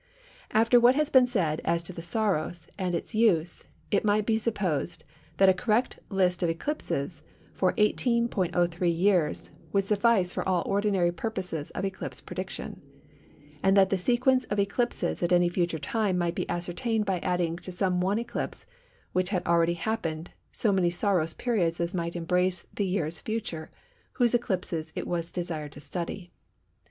After what has been said as to the Saros and its use it might be supposed that a correct list of eclipses for 18.03 years would suffice for all ordinary purposes of eclipse prediction, and that the sequence of eclipses at any future time might be ascertained by adding to some one eclipse which had already happened so many Saros periods as might embrace the years future whose eclipses it was desired to study.